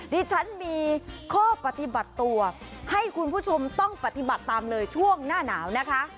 ดิฉันมีข้อปฏิบัติตัวให้คุณผู้ชมต้องปฏิบัติตามเลยช่วงหน้าหนาวนะคะ